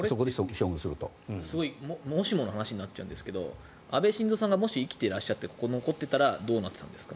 もしもの話になるんですが安倍晋三さんが生きていらっしゃってここに残っていたらどうなっていたんですか？